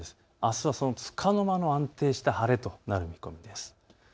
あすはつかの間の安定した晴れとなる見込みです。